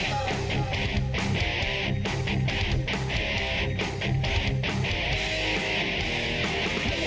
คนนี้มาจากอำเภออูทองจังหวัดสุภัณฑ์บุรีนะครับ